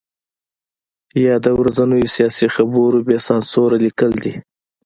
یا د ورځنیو سیاسي خبرو بې سانسوره لیکل دي.